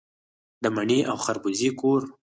د مڼې او خربوزې کور.